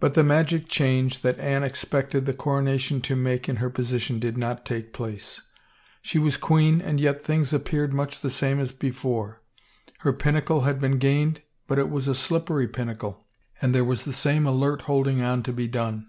But the magic change that Anne expected the coro nation to make in her position did not take place. She was queen and ytt things appeared much the same as 265 THE FAVOR OF KINGS before. Her pinnacle had been gained but it was a slippery pinnacle and there was the same alert holding on to be done.